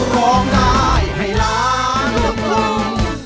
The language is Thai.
ขอร้องได้ให้ร้านทุกคน